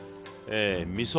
みそ。